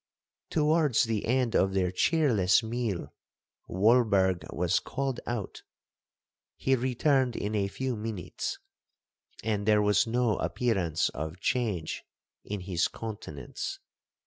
Towards the end of their cheerless meal, Walberg was called out; he returned in a few minutes, and there was no appearance of change in his countenance.